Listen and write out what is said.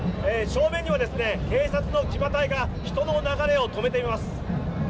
正面には警察の騎馬隊が人の流れを止めています。